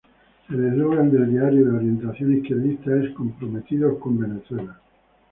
El eslogan del diario de orientación izquierdista es "Comprometidos con Venezuela".